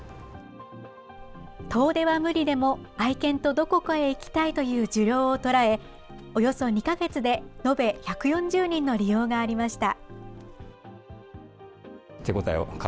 遠出は無理でも愛犬とどこかへ行きたいという需要を捉え、およそ２か月で延べ１４０人の利用がありました。